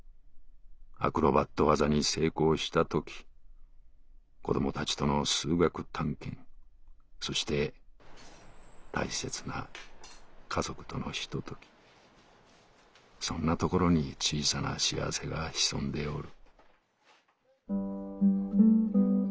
アクロバット技に成功したとき子どもたちとの数学探検．．．．．．そして大切な家族とのひととき．．．．．．そんなところに小さな幸せが潜んでおる」。